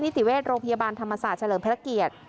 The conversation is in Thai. ติเวชโรงพยาบาลธรรมศาสตร์เฉลิมพระเกียรติ